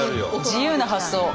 自由な発想。